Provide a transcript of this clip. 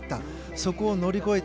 そこを乗り越えた。